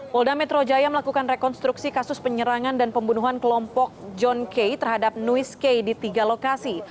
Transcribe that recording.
polda metro jaya melakukan rekonstruksi kasus penyerangan dan pembunuhan kelompok john k terhadap nuis k di tiga lokasi